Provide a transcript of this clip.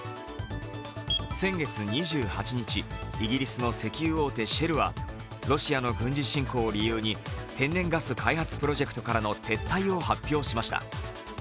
先月２８日、イギリスの石油大手シェルはロシアの軍事侵攻を理由に天然ガスプロジェクトからの撤退を発表しました。